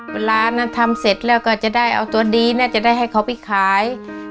เวลานั้นทำเสร็จแล้วก็จะได้เอาตัวดีน่าจะได้ให้เขาไปขาย